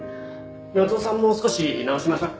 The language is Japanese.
夏雄さんも少し直しましょ。